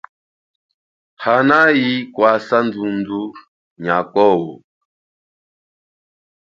Hanayi kwasa ndhundhu nyakowo.